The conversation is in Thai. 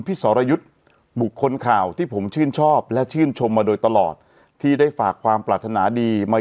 สรยุทธ์บุคคลข่าวที่ผมชื่นชอบและชื่นชมมาโดยตลอดที่ได้ฝากความปรารถนาดีมา